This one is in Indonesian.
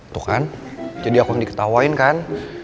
tuh kan jadi aku diketawain kan